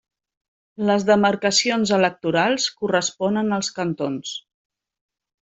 Les demarcacions electorals corresponen als cantons.